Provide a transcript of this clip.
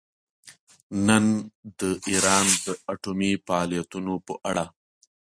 نن د ایران د اټومي فعالیتونو په اړه